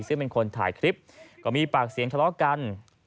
ซึ่งเป็นคนถ่ายคลิปก็มีปากเสียงทะเลาะกัน